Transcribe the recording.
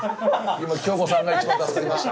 今京子さんが一番助かりました。